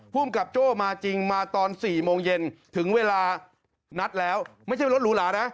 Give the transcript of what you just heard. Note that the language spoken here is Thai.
คุยกันถึงขนาดนี้เลย